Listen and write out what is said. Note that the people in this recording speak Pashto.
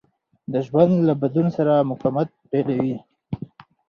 د ژوند له بدلون سره مقاومت پيلوي.